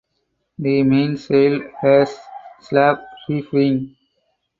The mainsail has slab reefing.